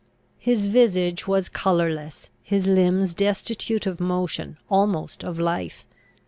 His visage was colourless; his limbs destitute of motion, almost of life.